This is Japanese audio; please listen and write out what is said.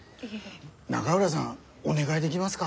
永浦さんお願いできますか？